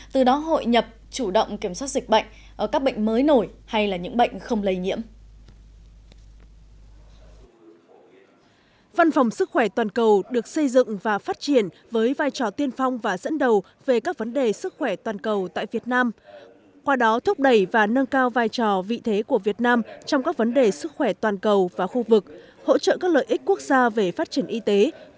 từ đó hội nhập chủ động kiểm soát dịch bệnh các bệnh mới nổi hay những bệnh không lây nhiễm